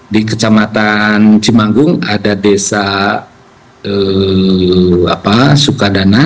di kecamatan cimanggung ada desa sukadana